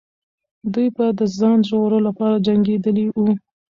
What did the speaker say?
دوی به د ځان ژغورلو لپاره جنګېدلې وو.